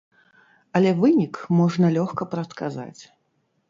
Але вынік можна лёгка прадказаць.